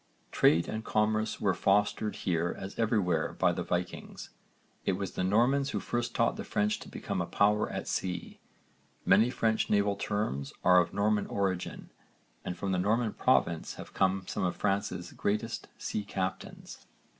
Trade and commerce were fostered here as everywhere by the Vikings. It was the Normans who first taught the French to become a power at sea, many French naval terms are of Norman origin and from the Norman province have come some of France's greatest sea captains.